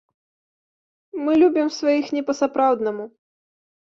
Мы любім сваіх не па-сапраўднаму.